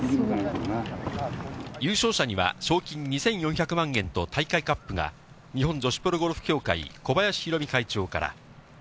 優勝者には、賞金２４００万円と大会カップが、日本女子プロゴルフ協会、小林浩美会長から。